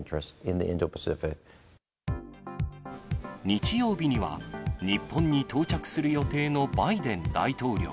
日曜日には、日本に到着する予定のバイデン大統領。